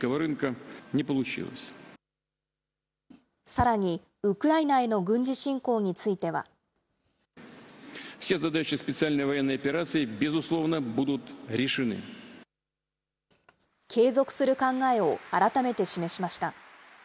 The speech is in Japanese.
さらに、ウクライナへの軍事侵攻については。継続する考えを改めて示しました。